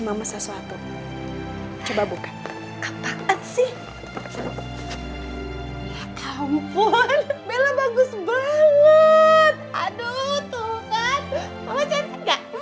mama cantik gak